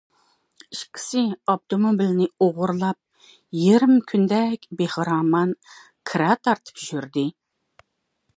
ئىككىسى ئاپتوموبىلنى ئوغرىلاپ، يېرىم كۈندەك بەخىرامان كىرا تارتىپ يۈردى.